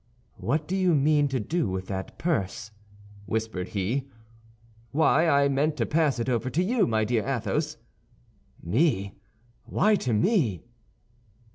"What do you mean to do with that purse?" whispered he. "Why, I meant to pass it over to you, my dear Athos." "Me! why to me?"